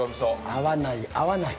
合わない合わない。